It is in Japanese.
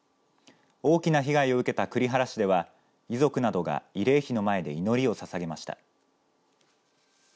大きな被害を受けた栗原市では遺族などが慰霊碑の前で祈りをささげました。